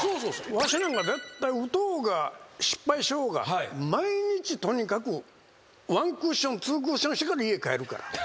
わしなんか絶対打とうが失敗しようが毎日とにかく１クッション２クッションしてから家帰るから。